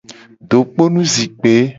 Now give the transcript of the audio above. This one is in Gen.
Dokponu zikpe.